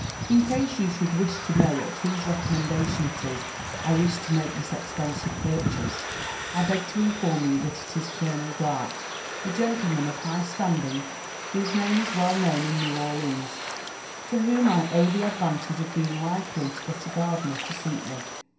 In case you should wish to know at whose recommbn datien It is I wish to make this expensive purchase, I beg to inlbrm you that it is Colonel Dart, a gentleman of high standing, whose name Is well known In Kew Orleans, to whom I owe the advantage of heihg likely lo get a gardener to suit me.'